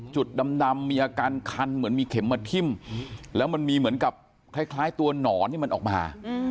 จุดดำมีอาการคันเหมือนมีเข็มมาทิ้มแล้วมันมีเหมือนกับคล้ายตัวหนอนที่มันออกมา